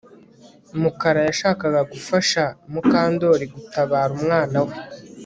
Mukara yashakaga gufasha Mukandoli gutabara umwana we